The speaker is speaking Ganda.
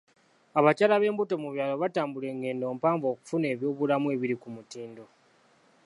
Abakyala b'embuto mu byalo batambula engendo empanvu okufuna eby'obulamu ebiri ku mutindo.